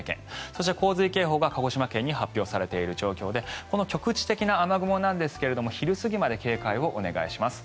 そして洪水警報が鹿児島県に発表されている状況でこの局地的な雨雲ですが昼過ぎまで警戒をお願いします。